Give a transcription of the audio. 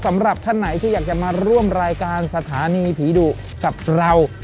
สำหรับท่านไหนที่อยากจะมาร่วมรายการสถานีผีดุกับเรา